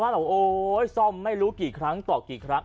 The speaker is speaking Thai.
เราโอ๊ยซ่อมไม่รู้กี่ครั้งต่อกี่ครั้ง